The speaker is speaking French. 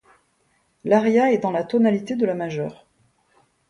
L'aria est dans la tonalité de la majeur.